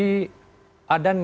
tapi ketika tiba di tanah suci